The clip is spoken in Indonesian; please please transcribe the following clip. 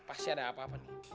pasti ada apa apa nih